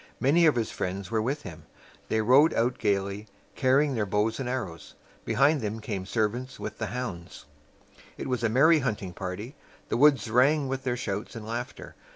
Many of his friends were with him. They rode out gayly, carrying their bows and arrows. Behind them came the servants with the hounds. It was a merry hunting party. The woods rang with their shouts and laughter.